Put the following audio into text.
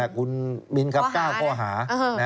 คุณมิ้นครับ๙ข้อหา